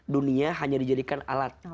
dunia hanya dijadikan alat